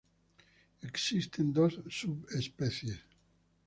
Existen dos subespecies.